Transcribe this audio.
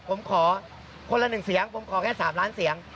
ผมขอคนละ๑เสียงผมขอแค่๓ล้านเสียง